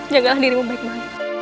jagalah dirimu baik baik